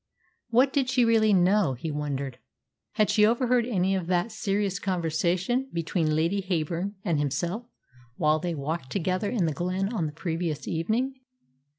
What did she really know, he wondered. Had she overheard any of that serious conversation between Lady Heyburn and himself while they walked together in the glen on the previous evening?